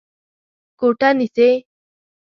کوټه نيسې؟